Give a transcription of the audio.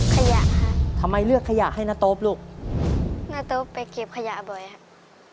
ขยะค่ะทำไมเลือกขยะให้นาโต๊ปลูกณโต๊บไปเก็บขยะบ่อยครับ